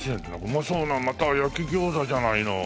うまそうなまた焼き餃子じゃないの。